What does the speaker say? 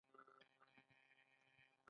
هغه راته ووېل په پښو مزل، شاوخوا یو ساعت.